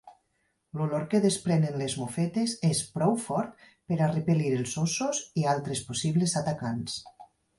L'olor que desprenen les mofetes és prou fort per a repel·lir els óssos i altres possibles atacants.